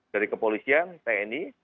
dari kepolisian tni